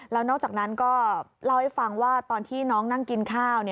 แล้วนอกจากนั้นก็เล่าให้ฟังว่าตอนที่น้องนั่งกินข้าว